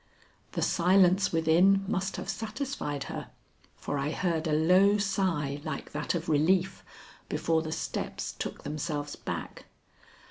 The silence within must have satisfied her, for I heard a low sigh like that of relief, before the steps took themselves back.